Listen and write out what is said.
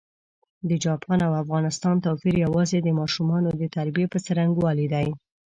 د چاپان او افغانستان توپېر یوازي د ماشومانو د تربیې پر ځرنګوالي دی.